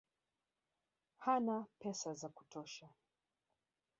Hana pesa za kutosha